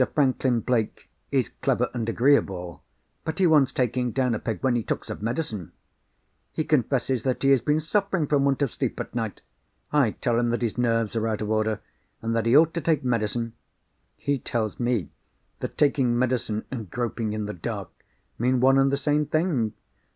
Franklin Blake is clever and agreeable, but he wants taking down a peg when he talks of medicine. He confesses that he has been suffering from want of sleep at night. I tell him that his nerves are out of order, and that he ought to take medicine. He tells me that taking medicine and groping in the dark mean one and the same thing.